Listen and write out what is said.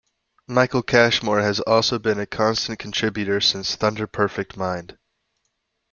Michael Cashmore has also been a constant contributor since Thunder Perfect Mind.